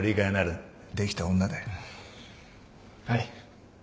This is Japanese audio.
はい。